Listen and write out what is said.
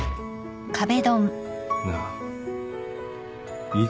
なあいい